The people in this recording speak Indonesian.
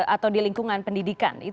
atau di lingkungan pendidikan